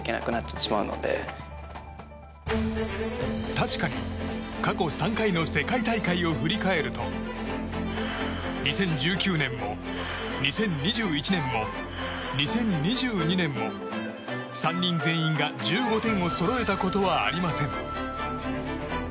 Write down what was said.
確かに過去３回の世界大会を振り返ると２０１９年も、２０２１年も２０２２年も３人全員が１５点をそろえたことはありません。